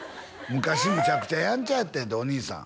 昔めちゃくちゃヤンチャやってんてお兄さん